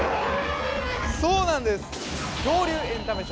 そうなんです